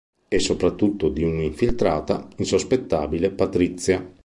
E soprattutto di un'infiltrata insospettabile, Patrizia.